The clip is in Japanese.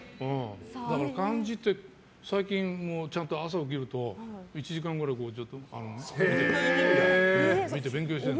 漢字って、最近もちゃんと朝起きると１時間くらい読んで勉強している。